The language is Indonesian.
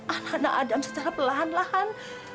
anak anak adam secara perlahan lahan